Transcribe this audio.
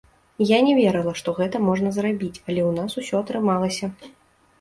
Я не верыла, што гэта можна зрабіць, але ў нас усё атрымалася.